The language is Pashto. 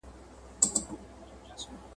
د آزادۍ اتل ته د زړه له کومي سلام.